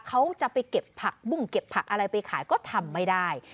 เขาจะไปเก็บผักบุ้งเก็บผักอะไรไปขายก็ทำไม่ได้